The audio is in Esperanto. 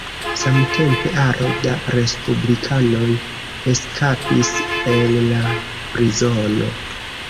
Samtempe aro da respublikanoj eskapis el la prizono.